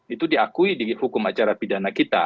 itu diakui di hukum acara pidana kita